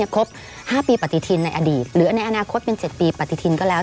ครบ๕ปีปฏิทินในอดีตหรือในอนาคตเป็น๗ปีปฏิทินก็แล้ว